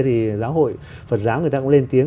thì giáo hội phật giáo người ta cũng lên tiếng